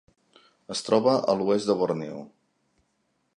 Es troba a l'oest de Borneo.